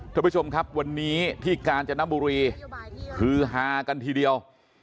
ท่านผู้ชมครับวันนี้ที่กาญจนบุรีฮือฮากันทีเดียว